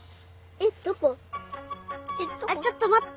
あっちょっとまって。